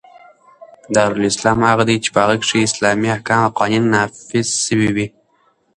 دارالاسلام هغه دئ، چي په هغي کښي اسلامي احکام او قوانینو نافظ سوي يي.